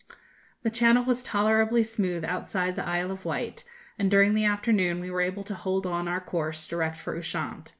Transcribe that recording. The Channel was tolerably smooth outside the Isle of Wight, and during the afternoon we were able to hold on our course direct for Ushant.